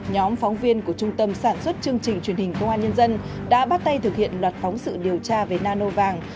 nhóm phóng viên của trung tâm sản xuất chương trình truyền hình công an nhân dân đã bắt tay thực hiện loạt phóng sự điều tra về nano vàng